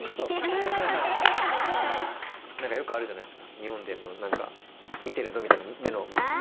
何かよくあるじゃないですか日本でも何か「見てるぞ」みたいな目のマーク。